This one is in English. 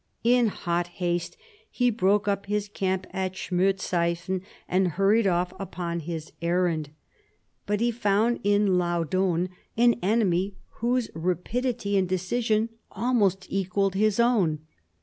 In hot haste he broke up his camp at Schmottseifen, and hurried off upon this errand. 158 MARIA THERESA ohap. vii But he found in Laudon an enemy whose rapidity and decision almost equalled his own.